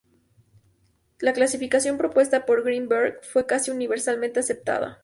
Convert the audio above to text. La clasificación propuesta por Greenberg fue casi universalmente aceptada.